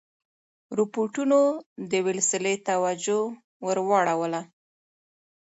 رپوټونو د ویلسلي توجه ور واړوله.